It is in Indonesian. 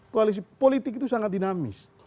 koalisi politik itu sangat dinamis